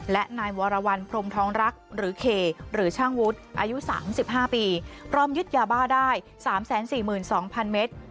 และนายวรวรรณพรมท้องรักหรือเขหรือช่างวุฒิอายุสามสิบห้าปีพร้อมยึดยาบ้าได้สามแสนสี่หมื่นสองพันเมตร